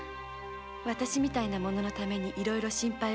私みたいな者のためにいろいろ心配して頂き